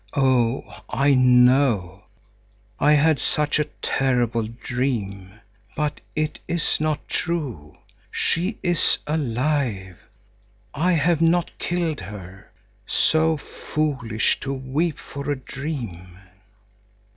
"Oh, I know; I had such a terrible dream. But it is not true. She is alive. I have not killed her. So foolish to weep for a dream."